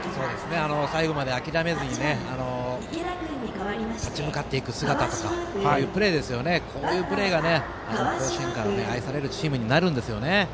最後まで諦めずに立ち向かっていく姿とかこういうプレーが甲子園から愛されるチームになるんですよね。